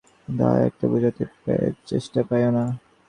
মন্ত্রী তুমি আমাকে অনর্থক যাহা-তাহা একটা বুঝাইতে চেষ্টা পাইয়ো না।